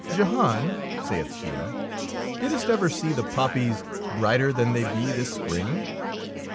"Jehan," saith she, "didst ever see the poppies brighter than they be this spring?"